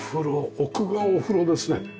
奥がお風呂ですね。